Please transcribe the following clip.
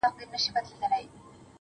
چي چي د زړه په دروازې راته راوبهيدې